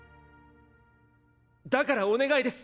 だからお願いです！